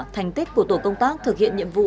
thành tích của tổ công tác thực hiện nhiệm vụ